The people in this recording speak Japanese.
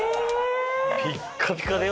ピッカピカだよ